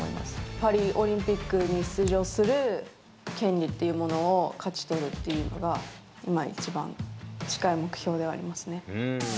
パリオリンピックに出場する権利っていうものを勝ち取るっていうのが、今一番近い目標ではありま